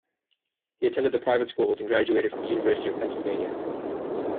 He attended the private schools and graduated from the University of Pennsylvania.